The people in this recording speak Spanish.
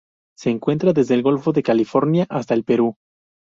Se encuentra desde el Golfo de California hasta el Perú.